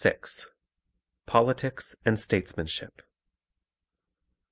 POLITICS AND STATESMANSHIP.